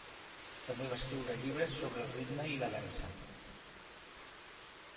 També va escriure llibres sobre el ritme i la dansa.